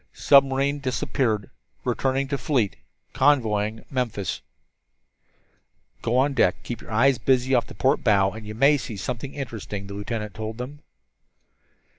"Submarine disappeared. Returning to fleet. Convoying Memphis." "Go on deck, keep your eyes busy off the port bow, and you may see something interesting," the lieutenant told them.